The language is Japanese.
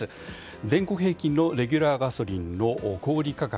全国平均のレギュラーガソリンの小売価格